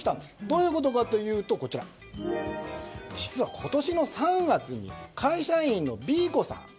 どういうことかというと実は、今年の３月に会社員のＢ子さん。